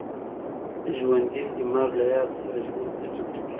ژوندي د مرګ له یاد سره ژوند ته چمتو کېږي